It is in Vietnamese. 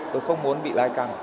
tôi không muốn bị lai căng